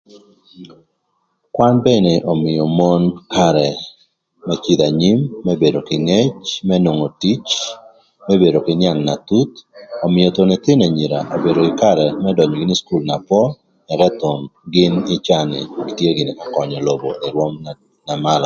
Kwan mene ömïö mon karë më cïdhö anyim më bedo kï ngec më nwongo tic më bedo kï nïang na thuth ömïö thon ëthïnö anyira obedo kï karë më dönyö gïnï ï cukul na pol ëka thon gïn ï caa ni etye gïnï ka könyö lobo ï rwöm na malö.